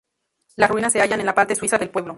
Las ruinas se hallan en la parte suiza del pueblo.